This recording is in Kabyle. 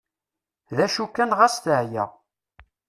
D acu kan ɣas teɛya.